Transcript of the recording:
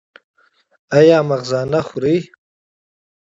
ایا مغزيات خورئ؟